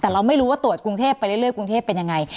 แต่เราไม่รู้ว่าตรวจกรุงเทพไปเรื่อยกรุงเทพเป็นยังไง